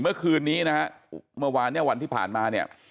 เมื่อคืนนี้นะฮะเมื่อวานเนี่ยวันที่ผ่านมาเนี่ย